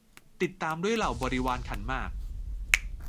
ติดตามด้วยเหล่าบริวารขันหมาก